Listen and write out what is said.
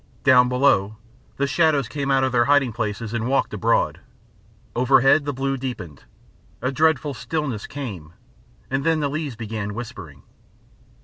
Down below the shadows came out of their hiding places and walked abroad. Overhead the blue deepened. A dreadful stillness came, and then the leaves began whispering.